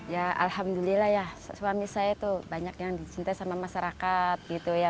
ya alhamdulillah ya suami saya itu banyak yang dicinta sama masyarakat gitu ya